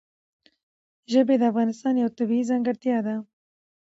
ژبې د افغانستان یوه طبیعي ځانګړتیا ده.